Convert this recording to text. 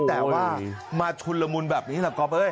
แต่ว่ามาชุนละมุนแบบนี้แหละก๊อปเอ้ย